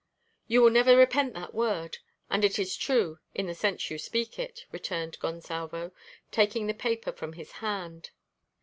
"You will never repent that word. And it is true in the sense you speak it," returned Gonsalvo, taking the paper from his hand.